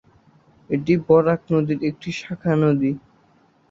এটি বরাক নদীর একটি শাখা নদী।